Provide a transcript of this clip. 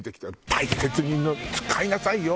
大切に使いなさいよ